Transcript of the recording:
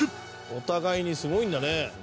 「お互いにすごいんだね」